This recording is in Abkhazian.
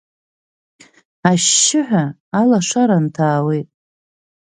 Ашьшьыҳәа алашара нҭаауеит.